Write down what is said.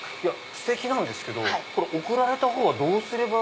ステキなんですけど送られた方はどうすれば。